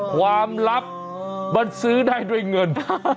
ความลับมันซื้อได้ด้วยเงิน